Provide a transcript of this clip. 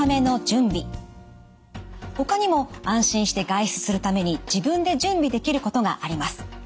ほかにも安心して外出するために自分で準備できることがあります。